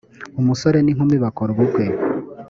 umusore n ‘inkumi bakora ubukwe.